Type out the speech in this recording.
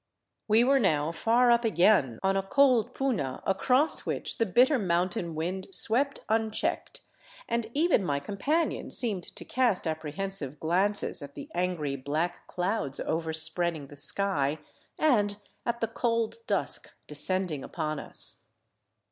We were now far up again on a cold puna across which the bitter mountain wind swept unchecked, and even my companion seemed to cast ap prehensive glances at the angry, black clouds overspreading the sky 370 OVERLAND TOWARD CUZCO and at the cold dusk descending upon us.